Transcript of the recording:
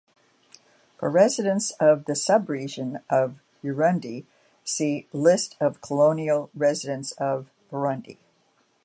For residents of the subregion of Urundi, see List of colonial residents of Burundi.